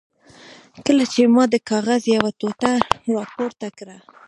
کله چې ما د کاغذ یوه ټوټه را پورته کړه.